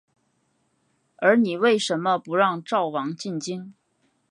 而你为甚么不让赵王进京？